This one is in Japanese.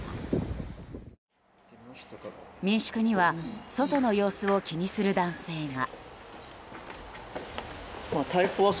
民宿には外の様子を気にする男性が。